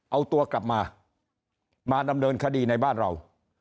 เอาตัวกลับมามาดำเนินคดีในบ้านเรา